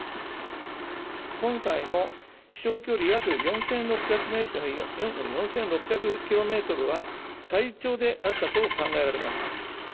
今回の飛しょう距離約４６００キロメートルは、最長であったと考えられます。